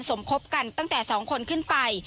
สมคบกันตั้งแต่๒คนขึ้นไป